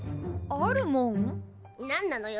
何なのよ？